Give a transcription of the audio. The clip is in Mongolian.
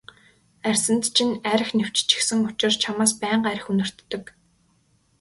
Арьсанд чинь архи нэвччихсэн учир чамаас байнга архи үнэртдэг.